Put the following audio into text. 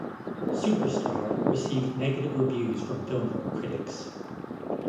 "Superstar" received negative reviews from film critics.